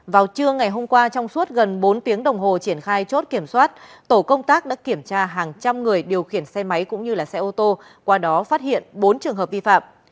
vào trưa ngày hôm qua trong suốt gần bốn tiếng đồng hồ triển khai chốt kiểm soát tổ công tác đã kiểm tra hàng trăm người điều khiển xe máy cũng như xe ô tô qua đó phát hiện bốn trường hợp vi phạm